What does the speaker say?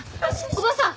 おばあさん